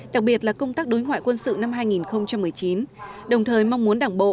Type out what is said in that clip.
đặc biệt là công tác đối ngoại quân sự năm hai nghìn một mươi chín đồng thời mong muốn đảng bộ